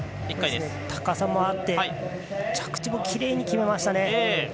高さもあって着地もきれいに決めましたね。